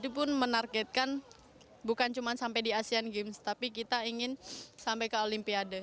jadi pun menargetkan bukan cuma sampai di asean games tapi kita ingin sampai ke olimpiade